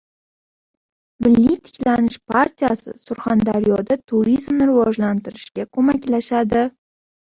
Milliy tiklanish partiyasi Surxondaryoda turizmni rivojlantirishga ko‘maklashadi